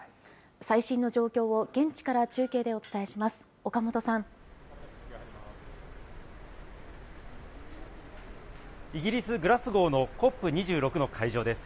最新の状況を、現地から中継でお伝えします。